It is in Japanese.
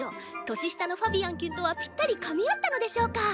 年下のファビアンきゅんとはぴったりかみ合ったのでしょうか。